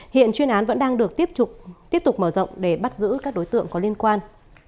hiện chuyên án vẫn đang được tiếp tục mở rộng để bắt giữ các đối tượng có liên quan